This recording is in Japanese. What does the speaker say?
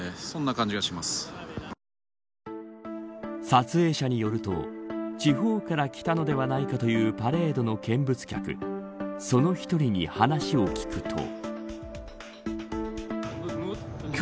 撮影者によると地方から来たのではないかというパレードの見物客その１人に話を聞くと。